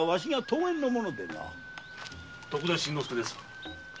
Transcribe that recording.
徳田新之助です。